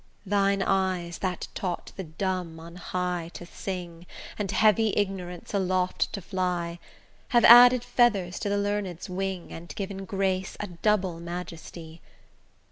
Thine eyes, that taught the dumb on high to sing And heavy ignorance aloft to fly, Have added feathers to the learned's wing And given grace a double majesty.